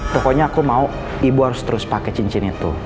pokoknya aku mau ibu harus terus pakai cincin itu